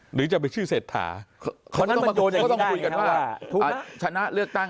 หรือจะไปชื่อเสดฐาเขาน่ามันแต่ต้องคุยกันว่าชนะเลือกตั้ง